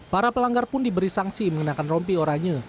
para pelanggar pun diberi sanksi mengenakan rompi oranye